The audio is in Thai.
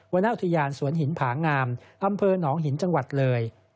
ณอุทยานสวนหินผางามอำเภอหนองหินจังหวัดเลย